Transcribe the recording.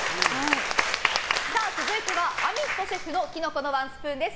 続いてはアミットシェフのキノコのワンスプーンです。